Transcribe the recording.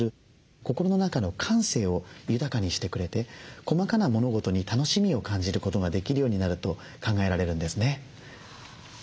心の中の感性を豊かにしてくれて細かな物事に楽しみを感じることができるようになると考えられるんですね。